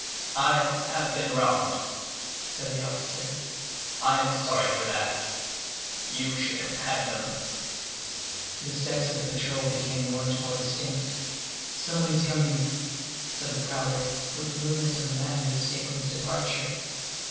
"I have been robbed," said the officer; "I am sorry for that. You should have had them." The steps of the patrol became more and more distinct. "Some one is coming," said the prowler, with the movement of a man who is taking his departure.